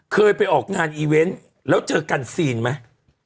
เคยไปออกงานอีเวนต์แล้วเจอกันซีนไหม